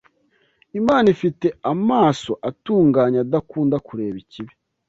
Imana ifite “amaso atunganye, adakunda kureba ikibi